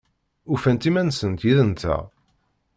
Ufant iman-nsent yid-nteɣ?